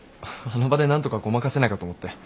あの場で何とかごまかせないかと思って。